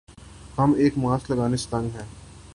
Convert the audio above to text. ہم ایک ماسک لگانے سے تنگ ہیں